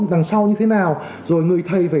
đằng sau như thế nào rồi người thầy